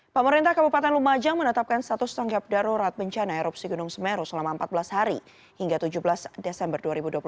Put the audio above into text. pemerintah kabupaten lumajang menetapkan status tanggap darurat bencana erupsi gunung semeru selama empat belas hari hingga tujuh belas desember dua ribu dua puluh satu